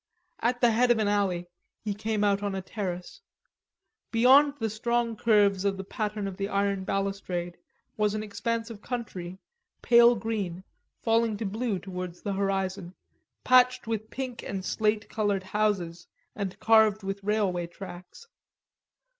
At the head of an alley he came out on a terrace. Beyond the strong curves of the pattern of the iron balustrade was an expanse of country, pale green, falling to blue towards the horizon, patched with pink and slate colored houses and carved with railway tracks.